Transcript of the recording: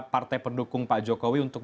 partai pendukung pak jokowi untuk